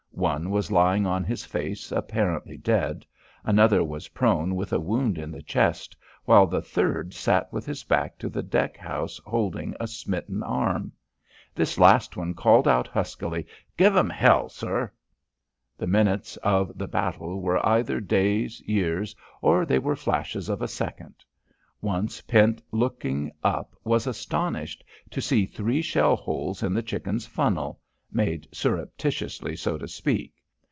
One was lying on his face apparently dead; another was prone with a wound in the chest, while the third sat with his back to the deck house holding a smitten arm. This last one called out huskily, "Give'm hell, sir." The minutes of the battle were either days, years, or they were flashes of a second. Once Pent looking up was astonished to see three shell holes in the Chicken's funnel made surreptitiously, so to speak....